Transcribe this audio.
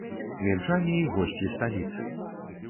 Мінчане і госці сталіцы!